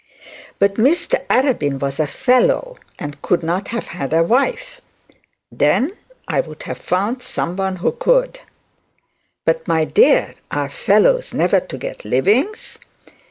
'But Mr Arabin was a fellow, and couldn't have had a wife.' 'Then I would have found some one who could.' 'But, my dear, are fellows never to get livings?'